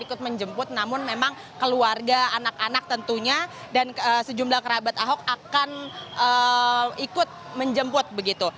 ikut menjemput namun memang keluarga anak anak tentunya dan sejumlah kerabat ahok akan ikut menjemput begitu